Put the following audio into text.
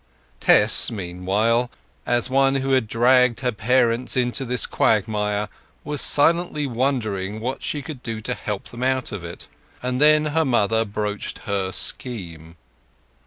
Tess, meanwhile, as the one who had dragged her parents into this quagmire, was silently wondering what she could do to help them out of it; and then her mother broached her scheme.